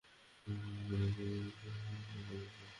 এখন যারা স্বেচ্ছায় অঙ্গ দান করতে চায়, তাদের অঙ্গই কেবল নেওয়া হয়।